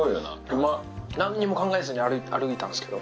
今、なんにも考えずに歩いたんですけど。